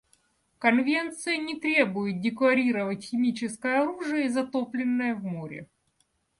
Конвенция не требует декларировать химическое оружие, затопленное в море.